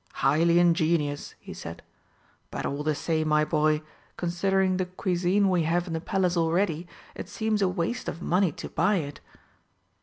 "Highly ingenious," he said; "but all the same, my boy, considering the cuisine we have in the Palace already, it seems a waste of money to buy it."